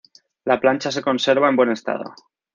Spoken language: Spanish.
La plancha se conserva en buen estado.